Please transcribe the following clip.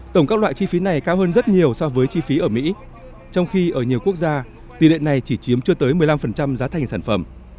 tổng các loại chi phí này cao hơn rất nhiều so với chi phí ở mỹ trong khi ở nhiều quốc gia tỷ lệ này chỉ chiếm chưa tới một mươi năm giá thành sản phẩm